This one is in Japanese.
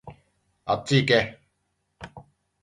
あっちいけ